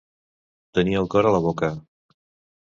Tenir el cor a la boca.